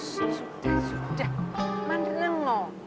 sudah sudah mandeneng loh